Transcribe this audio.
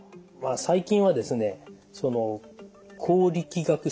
最近はですね光力学診断